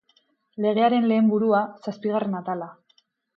Legearen lehen burua, zazpigarren atala.